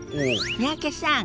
三宅さん